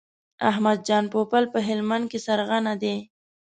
احمد جان پوپل په هلمند کې سرغنه دی.